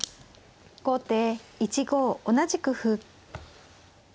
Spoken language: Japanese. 後手１五同じく歩。